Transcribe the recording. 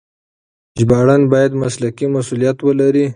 ژباړن بايد مسلکي مسؤليت ولري.